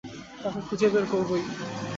তাকে খুঁজে বের করবই।